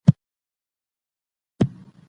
پلان جوړونه بايد په پوره روڼتيا ترسره سي.